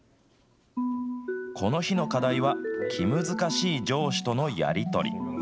この日の課題は、気難しい上司とのやり取り。